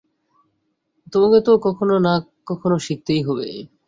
তোমকে তো কখনো না কখনো শিখতেই হবে।